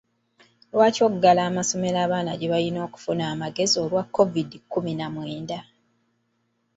Lwaki oggala amasomero abaana gye balina okufuna amagezi olwa COVID kkumi na mwenda.